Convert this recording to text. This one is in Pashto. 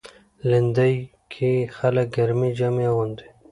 لېندۍ کې خلک ګرمې جامې اغوندي.